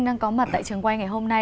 đang có mặt tại trường quay ngày hôm nay